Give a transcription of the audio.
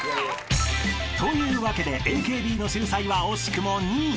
［というわけでＡＫＢの秀才は惜しくも２位］